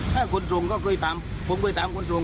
ถ้าคุณส่งก็คุยตามผมคุยตามคุณส่ง